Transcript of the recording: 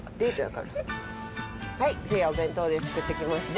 はいせいやお弁当です作って来ました。